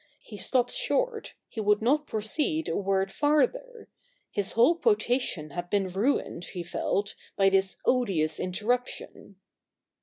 He stopped short, he would not proceed a word farther. His whole quotation had been ruined, he felt, by this odious interruption.